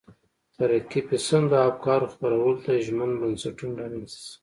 ترقي پسندو افکارو خپرولو ته ژمن بنسټونه رامنځته شي.